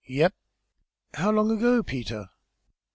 "Yep!" "How long ago, Peter?"